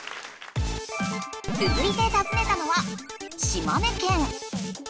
つづいてたずねたのは島根県。